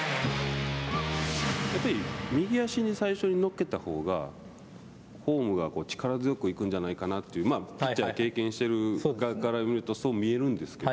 やっぱり右足に最初に乗っけたほうがフォームが力強く行くんじゃないかなというピッチャー経験している側から見るとそう見えるんですけど。